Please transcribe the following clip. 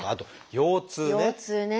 腰痛ね。